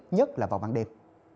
nhất là vào ban đêm